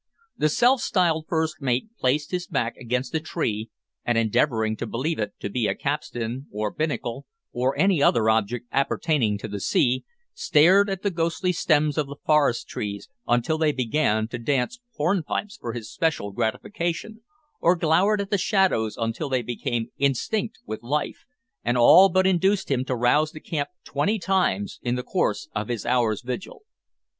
The self styled first mate placed his back against a tree, and, endeavouring to believe it to be a capstan, or binnacle, or any other object appertaining to the sea, stared at the ghostly stems of the forest trees until they began to dance hornpipes for his special gratification, or glowered at the shadows until they became instinct with life, and all but induced him to rouse the camp twenty times in the course of his hour's vigil.